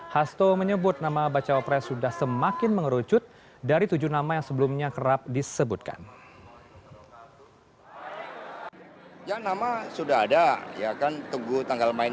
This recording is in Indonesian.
hasto menyebut nama bacawa pres sudah semakin mengerucut dari tujuh nama yang sebelumnya kerap disebutkan